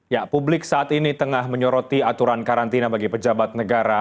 ya publik saat ini tengah menyoroti aturan karantina bagi pejabat negara